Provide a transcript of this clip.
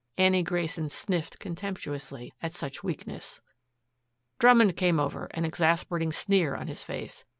Annie Grayson sniffed contemptuously at such weakness. Drummond came over, an exasperating sneer on his face.